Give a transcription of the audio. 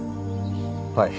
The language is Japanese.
はい。